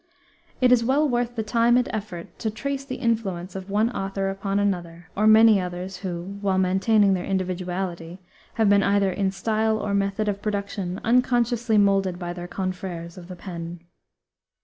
It is well worth the time and effort to trace the influence of one author upon another or many others, who, while maintaining their individuality, have been either in style or method of production unconsciously molded by their confréres of the pen.